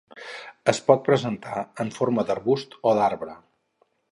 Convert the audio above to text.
Es pot presentar en forma d'arbust o d'arbre.